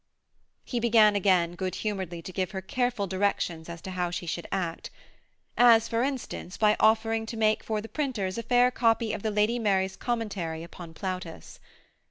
He began again good humouredly to give her careful directions as to how she should act; as for instance by offering to make for the printers a fair copy of the Lady Mary's Commentary upon Plautus.